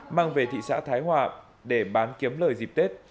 mang về thị xã thái hòa để bán kiếm lời dịp tết